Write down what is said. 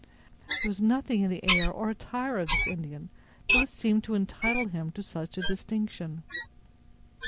There was nothing in the air or attire of this Indian that would seem to entitle him to such a distinction.